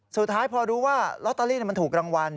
สุดท้ายพอรู้ว่าลอตเตอรี่มันถูกรางวัล